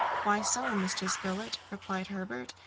"Why so, Mr. Spilett?" replied Herbert.